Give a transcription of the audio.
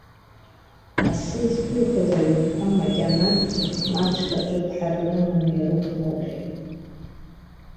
Асы зқәихыз иҩнқәа макьанатәгьы х-мацә аҿыгҳара рыманы ирықәнаухьеит.